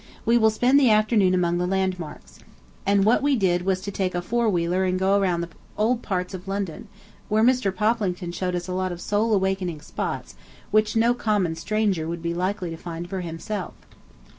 We will spend the afternoon among the landmarks." And what we did was to take a four wheeler and go around the old parts of London, where Mr. Poplington showed us a lot of soul awakening spots which no common stranger would be likely to find for himself.